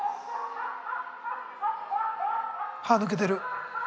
歯抜けてる。